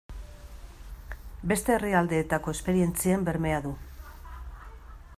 Beste herrialdeetako esperientzien bermea du.